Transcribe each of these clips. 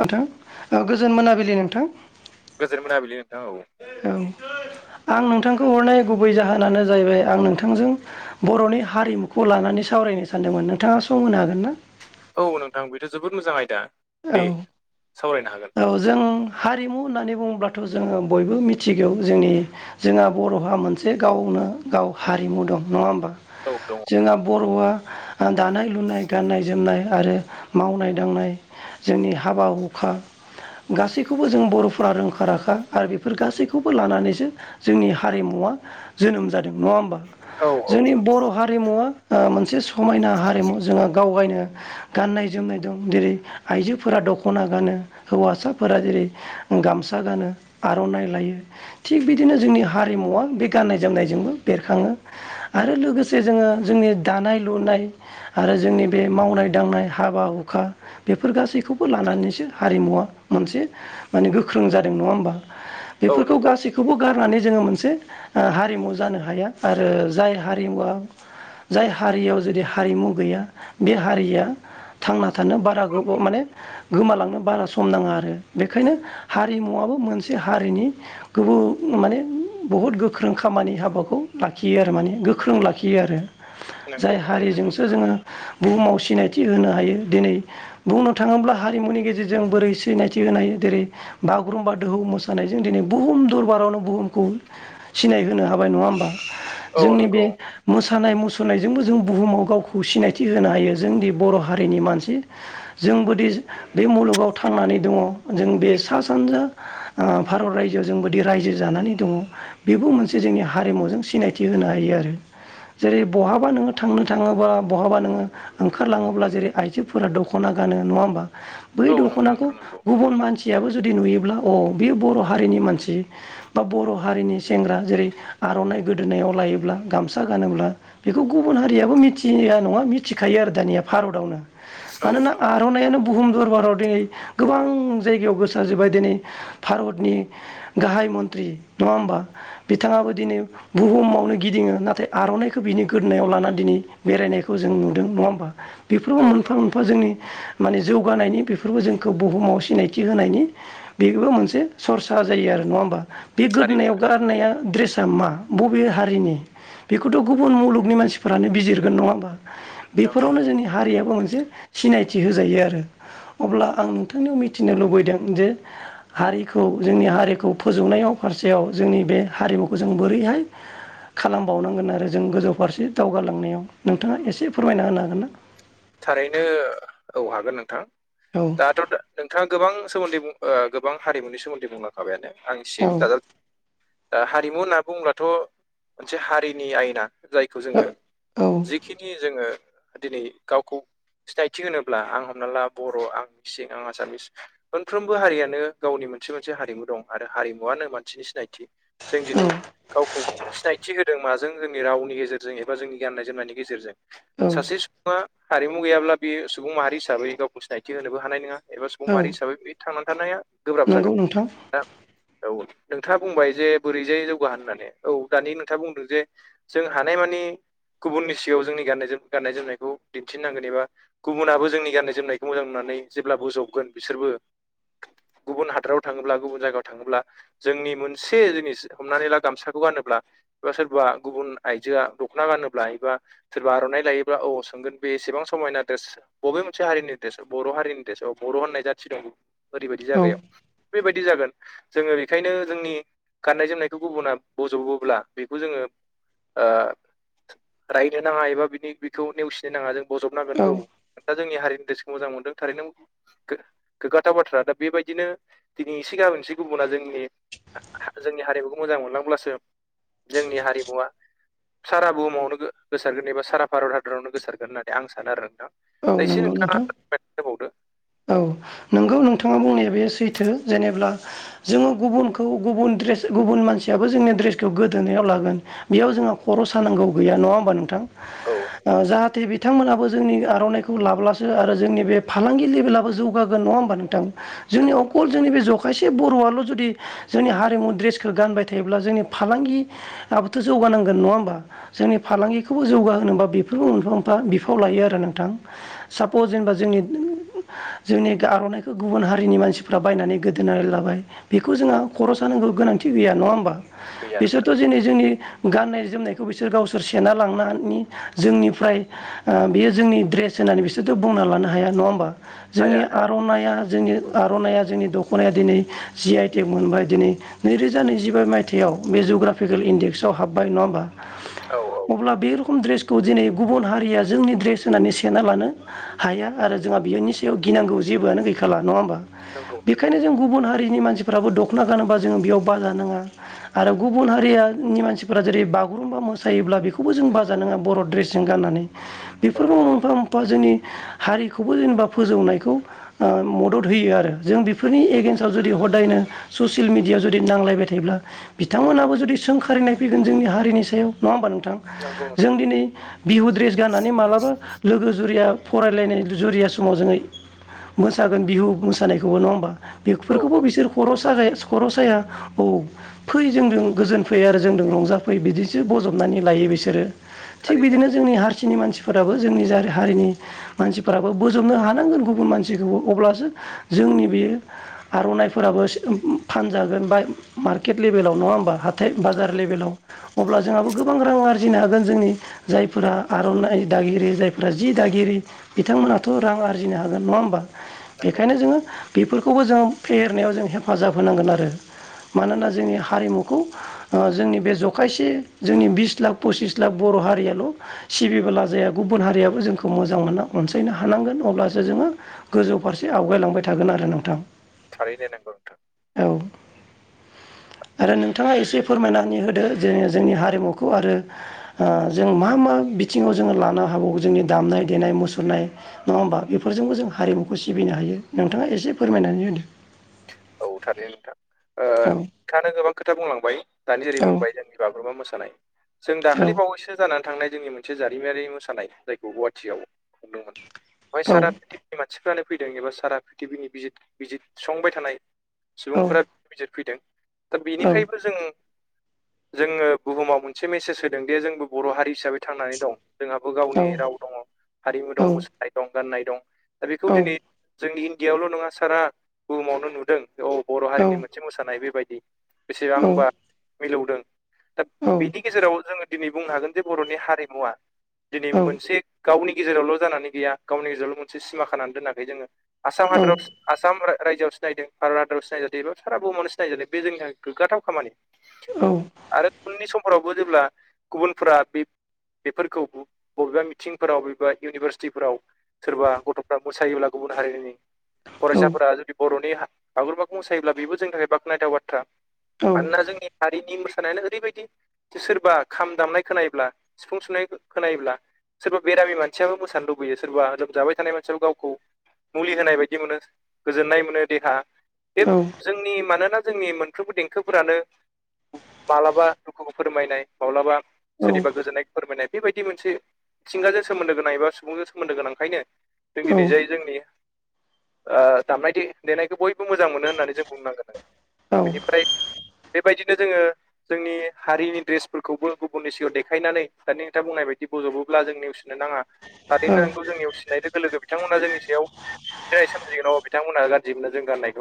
नोंथां गोजोन मोनाबिलि नोंथां। गोजोन मोनाबिलि नोंथां औ औ आं नोंथांखौ हरनाय गुबै जाहोनानो जाहैबाय आं नोंथांजों बर'नि हारिमुखौ लानानै सावरायनो सानदोंमोन नोंथाङा सम होनो हागोन ना? औ नोंथां बेथ' जोबोद मोजां आयदा। दे सावरायनो हागोन औ औ जों हारिमु होननानै बुङोबथ' जोङो बयबो मिथिगौ जोंनि जोंहा बर'हा मोनसे गावनो गाव हारिमु दं नङा होमबा औ दं। जोंहा बर'आ दानाय लुनाय गाननाय जोमनाय आरो मावनाय दांनाय जोंनि हाबा हुखा गासैखौबो जों बर'फोरा रोंखा राखा आरो बेफोर गासैखौबो लानानैसो जोंनि हारिमुवा जोनोम जादों नङा होमबा। औ जोंनि नंगौ बर' हारिमुवा मोनसे समायना हारिमु जोङो गावगायनो गाननाय जोमनाय दं जेरै आइजोफोरा दख'ना गानो हौवासाफोरा जेरै गामसा गानो आर'नाइ लायो। थिग बिदिनो जोंनि हारिमुवा बे गाननाय जोमनायजोंबो बेरखाङो। आरो लोगोसे जोङो जोंनि दानाय लुनाय आरो जोंनि बे मावनाय दांनाय हाबा हुखा बेफोर गासैखौबो लानानैसो हारिमुवा मोनसे माने गोख्रों जादों नङा होमबा औ बेफोरखौ नंगौ गासै बेखौबो गारनानै जोङो मोनसे हारिमु जानो हाया आरो जाय हारिमुवा जाय हारियाव जुदि हारिमु गैया बे हारिया थांना थानो बारा गोबाव माने गोमालांनो बारा सम नाङा आरो बेखायनो हारिमुवाबो मोनसे हारिनि गोबो माने बहुद गोख्रों खामानि हाबाखौ लाखियो आरो माने गोख्रों लाखियो आरो। नंगौ जाय थारै नंगौ हारिजोंसो नोंथां जोङो बुहुमाव सिनायथि होनो हायो दिनै बुंनो थाङोब्ला हारिमुनि गेजेरजों बोरै सिनायथि होनाय जेरै बागुरुम्बा दोहौ मोसानायजों दिनै बुहुम दरबारावनो बुहुमखौ सिनाय होनो हाबाय नङा होमबा औ जोंनि बे नंगौ मोसानाय मुसुरनायजोंबो जों बुहुमाव गावखौ सिनायथि होनो हायो जोंनि बर' हारिनि मानसि। जों बोदि बे मुलुगाव थांनानै दङ जों बे सा-सानजा ओ भारत रायजोआव जों बोदि रायजो जानानै दङ बेबो मोनसे जोंनि हारिमुजों सिनायथि होनो हायो आरो। जेरै बहाबा नोङो थांनो थाङोबा बहाबा नोङो ओंखारलाङोब्ला जेरै आइजोफोरा दख' दख'ना गानो नङा होमबा बै औ नंगौ दख'नाखौ नोंथां नंगौ गुबुन मानसियाबो जुदि नुयोब्ला अ बे बर' हारिनि मानसि बा बर' हारिनि सेंग्रा जेरै आर'नाइ गोदोनायाव लायोब्ला गामसा गानोब्ला बेखौ गुबुन हारियाबो मिथिया नङा मिथिखायो आरो दानिया भारतावनो औ मानोना नंगौ आर'नाइयानो बुहुम दरबाराव दिनै गोबां जायगायाव गोसार जोबबाय दिनै भारतनि गाहाय मन्त्रि नङा होमबा बिथाङाबो दिनै बुहुमावनो गिदिङो नाथाय आर'नाइखौ बिनि गोदोननायाव लानानै दिनै बेरायनायखौ जों नुदों नङा होमबा बेफोरबो औ मोनफा नंगौ मोनफा जोंनि माने जौगानायनि बेफोरबो जोंखौ बुहुमाव सिनायथि होनायनि बेबो मोनसे सरसा जायो आरो नङा होमबा बे थारैनो गोदोनायाव गार नंगौ गाननाया ड्रेसाआ मा बबे हारिनि बेखौथ' गुबुन मुलुगनि मानसिफोरानो बिजिरगोन नङा होमबा नंगौ बेफोरावनो जोंनि हारियाबो मोनसे सिनायथि होजायो आरो अब्ला आं नोंथांनियाव मिथिनो लुबैदों जे हारिखौ जोंनि हारिखौ फोजौनाय फारसेयाव जोंनि बे हारिमुखौ जों बोरैहाय खालामबावनांगोन आरो जों गोजौ फारसे दावगालांनायाव नोंथाङा एसे फोरमायना होनो हागोन ना? थारैनो औ हागोन नोंथां औ दाथ' नोंथाङा गोबां सोमोन्दै बुं गोबां हारिमुनि सोमोन्दै बुंलां माबायानो आं औ सिनि दाजा दा हारिमु होनना बुङोब्लाथ' मोनसे हारिनि आयना। जायखौ जोङो औ जिखिनि जोङो दिनै गावखौ सिनायथि होनोब्ला आं हमना ला बर' आं मिसिं आं आसामिस मोनफ्रोमबो हारियानो गावनि मोनसे मोनसे हारिमु दं आरो हारिमुआनो मानसिनि सिनायथि जों दिनै गावखौ सिनायथि होदों माजों जों जोंनि रावनि गेजेरजों एबा जोंनि गाननाय जोमनायनि गेजेरजों औ सासे सु ङा हारिमु गैयाब्ला बे सुबुं माहारि हिसाबै गावखौ सिनायथि होनोबो हानाय नङा। एबा औ समारि हिसाबै बे थांनानै थानाया गोब्राब नंगौ जागोन। नोंथां औ नोंथाङा बुंबाय जे बोरैजाय जौगाहोन होननानै औ दानि नोंथाङा बुंदों जे जों हानायमानि गुबुननि सिगाङायाव जोंनि गाननाय जोमनाय गाननाय जोमनायखौ दिन्थिनांगोन एबा गुबुनाबो जोंनि गान्नाय जोमनायखौ मोजां नुनानै जेब्ला बोजबगोन बिसोरबो गुबुन हादोराव थाङोब्ला गुबुन जायगायाव थाङोब्ला जोंनि मोनसे जिनिस हमनानै ला गामसाखौ गानोब्ला एबा सोरबा गुबुन आइजोआ दख'ना गानोब्ला एबा सोरबा आर'नाइ लायोब्ला औ सोंगोन बे एसेबां समायना ड्रेस बबे मोनसे हारिनि ड्रेस बर' हारिनि ड्रेस अ बर' होननाय जाथि दं ओरैबायदि औ जागायाव बेबायदि जागोन। जोङो बेखायनो जोंनि गाननाय जोमनायखौ गुबुना बज'बोब्ला बेखौ जोङो ओ रायनो नाङा एबा बिनि बिखौ नेवसिनो नाङा जों बजबनांगोन औ। दा जोंनि हारिनि ड्रेसखौ मोजां मोनदों थारैनो गो-गोग्गाथाव बाथ्रा दा बेबायदिनो दिनै एसे गाबोन एसे गुबुना जोंनि हा-हा जोंनि हारिमुखौ मोजां मोनलांब्लासो जोंनि हारिमुवा सारा बुहुमावनो गो-गोसारगोन एबा सारा भारत हादरावनो गोसार होननानै आं सानो आरो नोंथां औ दा एसे नंगौ नोंथां नोंथाङा [inaudible] होबावदो। औ नोंगौ नोंथाङा बुंनाया बे सैथो जेनेब्ला जोङो गुबुनखौ गुबुन ड्रेस गुबुन मानसियाबो जोंनि ड्रेसखौ गोदोनायाव लागोन। बेयाव जोंहा खर' सानांगौ गैया नङा होमबा नोंथां। औ ओ नंगौ जाहाथे बिथांमोनाबो जोंनि आर'नाइखौ लाब्लासो आरो जोंनि बे फालांगि बोलाबो जौगागोन नङा होमबा नोंथां जोंनि नंगौ अकल नंगौ जोंनि बे जखायसे से बर'आल' जुदि जोंनि हारिमु ड्रेसखो गानबाय थायोब्ला जोंनि फालांगि आबोथ' जौगानांगोन नङा होमबा जोंनि नंगौ फालांगिखौबो जौगा होनोबा बे फोरबो मोनफा मोनफा बिफाव लायो आरो नोंथां सापस जेनेबा जोंनि जोंनि आर'नाइखौ गुबुन हारिनि मानसिफ्रा बायनानै गोदोनायाव लाबाय। बेखौ जोंहा खर' सानांगौ गोनांथि गैया नङा होमबा गैया नोंथां बेसोरथ' दिनै जोंनि गाननाय जोमनायखौ बिसोर गावसोर सेना लांनानि जोंनिफ्राय ओ बेयो जोंनि ड्रेस होननानै बिसोरथ' बुंना लानो हाया नङा होमबा? हाया जोंनि हाया आर'नाइआ जोंनि आर'नाइआ जोंनि दख'नाया दिनै जि आइ टेक मोनबाय दिनै नैरोजा नैजिबा मायथाइयाव बे जुग्राफिकेल इन्डेक्सआव हाब्बाय नङा होमबा? औ औ। अब्ला बे रखम ड्रेसखौ दिनै गुबुन हारिया जोंनि ड्रेस होननानै सेना लानो हाया आरो जोंहा बियोनि सायाव गिनांगौ जेबोआनो गैखाला नङा होमबा? नोंगौ। बेखायनो जों गुबुन हारिनि मानसिफोराबो दख'ना गानोबा जोङो बेयाव बाजा नाङा। आरो गुबुन हारियानि मानसिफोरा जेरै बागुरुमबा मोसायोब्ला बेखौबो जों बाजा नाङा बर' ड्रेसजों गाननानै। [inaudible] बेफोरबो मोनफा मोनफा जोंनि हारिखौबो जेनेबा फोजौनायखौ ओ मदद होयो आरो जों बिफोरनि एगेन्स्टआव जुदि हदायनो ससियेल मिडियाआव जुदि नांलायबाय थायोब्ला बिथांमोनहाबो जुदि सोंखारिनाय फैगोन जोंनि हारिनि सायाव नङा होमबा नोंथां? नंगौ नोंथां जों नंगौ दिनै बिहु द्रेस गाननानै मालाबा लोगो जुरिया फरायलायनाय जुरिया समाव जोङो मोसागोन बिहु मोसानायखौबो नङा होमबा औ बेगफोरखौबो औ बिसोर खर' स [unintelligible] खर' साया औ। फै जोंदों गोजोन फैयो आरो जोंदों रंजाफै बिदिसो बज'बनानै लायो बिसोरो। थिग थारैनो बिदिनो नंगौ जोंनि हारसिनि मानसिफोराबो जोंनि जार हारिनि मानसिफोराबो बोजबनो हानांगोन गुबुन मानसिखौबो अब्लासो जोंनि बेयो आर'नाइफोराबो [unintelligible] फानजागोन बाय मार्केट लेभेलाव नङा होमबा हाथ थाय बाजार नंगौ लेभेलाव नंगौ नोंथां अब्ला जोंहाबो गोबां रां आरजिनो हागोन जोंनि जायफोरा आर'नाइ दागिरि जायफोरा जि दागिरि बिथांमोना थ' रां आरजिनो हागोन नङा होमबा नंगौ बेखायनो नोंथां जोङो बेफोरखौबो जोङो फेहेरनायाव जों हेफाजाब होनांगोन आरो मानोना जोंनि हारिमुखौ ओ जोंनि बे जखायसे जोंनि बिस लाख पसिस लाख बर' हारियाल' सिबिबोला जाया गुबुन हारियाबो जोंखौ मोजां मोनना अनसायनो हा हानांगोन अब्लासो जोङो गोजौ फारसे आवगायलांबाय थागोन आरो नोंथां। थारैनो नंगौ नोंथां। औ आरो नोंथाङा एसे फोरमायनानै होदो जे जोंनि हारिमुखौ आरो ओ जों मा मा बिथिङाव जोङो लानो हाबावगौ जोंनि दामनाय देनाय मुसुरनाय नङा होमबा बेफोरजोंबो जों हारिमुखौ सिबिनो हायो नोंथाङा एसे फोरमायनानै होदो। औ थारैनो नोंथां ओ औ नोंथाङानो गोबां खोथा बुंलांबाय दानि औ जेरै बुंबाय जोंनि बागुरुमबा मोसानाय जों दाखालि बावैसो जानानै थांनाय जोंनि मोनसे जारिमिनारि मोसानाय जायखौ गुवाहाटियाव हदोंमोन बेहाय सारा नि मानसिफ्रानो फैदों एबा सारा प्रिथिबिनि बिजित बिजिर सुसंबाय थानाय सुबुंफोरा बिजिर फैदों दा बेनिफ्रायबो जों जोङो बुहुमाव मोनसे मेसेज होदों दे जोंबो बर' हारि हिसाबै थांनानै दं। जोंहाबो गावनि राव दङ हारिमु दं मोसानाय दं गाननाय दं दा बेखौ दिनै जोंनि इण्डियाआवल' नङा सारा बुहुमावनो नुदों औ बर' हारिनि मोनसे मोसानाय बेबायदि बेसेबांबा मिलौदों दा बिनि गेजेराव जोङो दिनै बुंनो हागोन जे बर'नि हारिमुवा दिनै मोनसे गावनि गेजेरावल' जानानै गैया गावनि गेजेरावल' मोनसे सिमा खानानै दोनाखै जोङो आसाम हादराव आसाम रा-रायजोआव सिनायदों भारत हादारिआव सिनायजादों एबा सारा बुहुमावस सिनाय जादों बे जोंनि थाखाय गोग्गाथाव खामानि औ आरो उननि समफोरावबो जेब्ला गुबुनफोरा बे बेफोरखौ बबेबा मिथिंफोराव बबेबा इउनिभारसिटिफोराव सोरबा गथ'फ्रा मोसायोब्ला गुबुन हारिनि फरायसाफोरा जुदि बर'नि बागुरुमबाखौ मोसायोब्ला बेबो जोंनि थाखाय बाख्नायथाव बाथ्रा मानोना जोंनि हारिनि मोसानायानो ओरैबायदि सोरबा खाम दामनाय खोनायोब्ला सिफुं सुनाय खोनायोब्ला सोरबा बेरामि मानयाबो मोसानो लुबैयो सोरबा लोमजाबाय थानाय मानसियाबो गावखौ मुलि होनाय बायदि मोनो गोजोननाय मोनो देहा बे जोंनि मानोना जोंनि मोनफ्रोमबो देंखोफोरानो माब्लाबा दुखुखौ फोरमायनाय माब्लाबा सोरनिबा गोजोननाय फोरमायनाय बेबायदि मोनसे मिथिंगाजों सोमोन्दो गोनां एबा सुबुंजों सोमोनद गोनांखायनो जों दिनै जाय जोंनि ओ दामनाय-देनायखौ बयबो मोजां मोनो होननानै जों बुंनांगोन नोंथां औ बेनिफ्राय बेबायदिनो जोङो जोंनि हारिनि ड्रेसफोरखौबो गुबुननि सिगाङाव देखायनानै दानि नोंथाङा बुंनाय बायदि बज'ब्ला जों नेउसि नाङा थारैनो औ नोंगौ जों नेवसिनाय लोगो लोगो बिथांमोनहा जोंनि सायाव जाय सोमजिगोन बिथांमोनहा गाज्रिनो जों गाननाय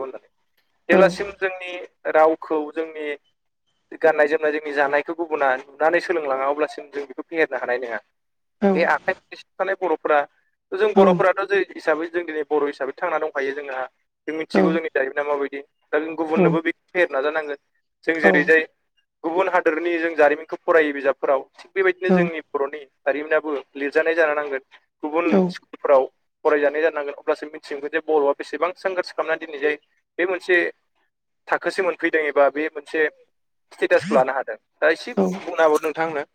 [unintelligible] औ जेब्लासिम जोंनि रावखौ जोंनि गाननाय-जोमनाय जोंनि जानायखौ गुबुना नुनानै सोलोंलाङा अब्लासिम जों बेखौ फेहेरनो हानाय नङा। बे आखाइ [unintelligible] थानाय बर'फोरा जों बर'फोराथ' जेरै हिसाबै जों दिनै बर' हिसाबै थांना दंखायो जोंहा जों मिथिगौ जोंनि दारिमिनना माबायदि दा जों गुबुननोबो बे फेरना जानांगोन जों जेरैजाय गुबुन हादोरनि जों जारिमिनखौ फरायो बिजाबफोराव थिग बेबायदिनो जोंनि बर'नि हारिमिनाबो लिरजानाय जानो नांगोन गुबुन फोराव फरायजानाय जानांगोन अब्लासो मिथिगोन जे बर'आ बेसेबां सोंगोरस खालामनानै दिनै जायो बे मोनसे थाखोसे मोनफैदों एबा बे मोनसे स्टेटासखौ लानो हादों। दा एसे बुंना होबावदो नोंथाङा आंनो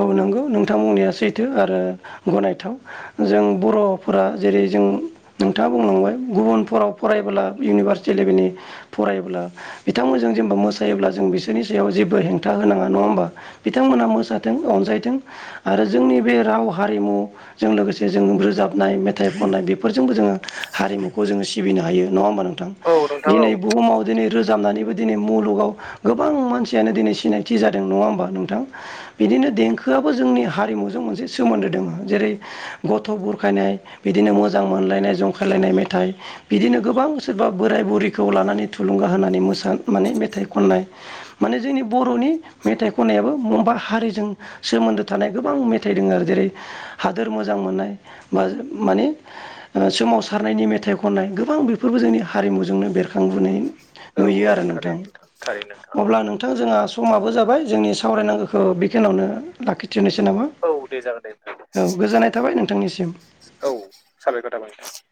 औ नंगौ नोंथांबुंनाया सैथो आरो गनायथाव जों बर'फोरा जेरै जों नोंथाङा बुंलांबाय गुबुनफोराव फरायोब्ला इउनिभारसिटि लेभेलनि फरायोब्ला बिथांमोनजों जेनेबा मोसायोब्ला जों बिसोरनि सायाव जेबो हेंथा होनाङा नङा होमबा बिथांमोनहा मोसा दों अनजायदों आरो जोंनि बे राव हारिमुजों लोगोसे जों रोजाबनाय मेथाइ खननाय बेफो रजोंबो जोङो हारिमुखौ जोङो सिबिनो हायो नङा होमबा नों थां औ नोंथां औ दिनै बुहुमाव दिनै रोजाबनानैबो दिनै मुलुगाव गोबां मानसियानो दिनै सिनायथि जादों नङा होमबा नोंथां। बिदिनो देंखोआबो जोंनि हारिमुजों मोनसे सोमोन्दो दोङ जेरै गथ' बुरखायनाय। बिदिनो मोजां मोनलायनाय जंखायलायनाय मेथाइ। बिदिनो गोबां सोरबा बोराय बुरिखौ लानानै थुलुंगा होनानै मोसा माने मेथाइ खननाय। माने जोंनि बर'नि मेथाइ खननायाबो मबेबा हारि जों सोमोन्दो थानाय गोबां मेथाइ दोङो आरो जेरै हादोर मोजां मोननाय बा माने ओ सोमावसारनायनि मेथाइ खननाय गोबां बेफोरबो जोंनि हारिमुजोंनो बेरखां थांबोनाय औ नुयो औ आरो नोंथां थारैनो थारैनो नोंथां औ अब्ला नों थां जोंहा समाबो जाबाय जोंनि सावरायनांगौखौ बेखिनावनो लाखिथनोसै नामा। औ दे जागोन दे नोंथां औ गोजोननाय थाबाय नोंथांनिसिम। औ साबायखर थाबाय नोंथां।